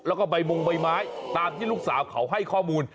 แล้วก็ใบมงใบไม้ตามที่ลูกสาวเขาให้ข้อมูล